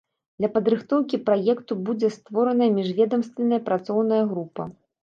Для падрыхтоўкі праекту будзе створаная міжведамасная працоўная група.